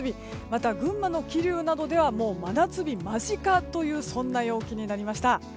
また、群馬の桐生などでは真夏日間近という陽気になりました。